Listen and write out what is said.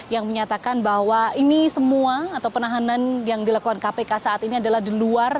yang menyatakan bahwa ini semua atau penahanan yang dilakukan kpk saat ini adalah di luar